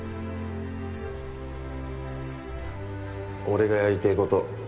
俺がやりてぇこと